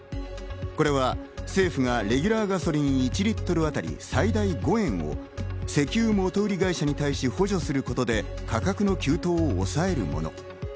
これは政府がレギュラーガソリン１リットルあたり最大５円を石油元売り会社に対し補助することで価格の急騰を抑えるもの。